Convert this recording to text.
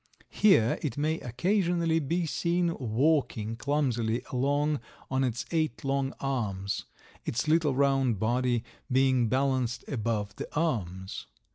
Here it may occasionally be seen "walking" clumsily along on its eight long arms, its little round body being balanced above the arms.